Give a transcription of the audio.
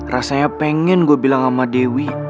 rasanya pengen gue bilang sama dewi